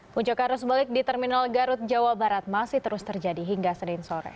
punca karus balik di terminal garut jawa barat masih terus terjadi hingga sering sore